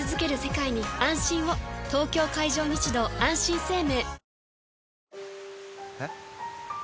東京海上日動あんしん生命